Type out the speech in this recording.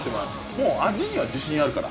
もう味には自信あるから。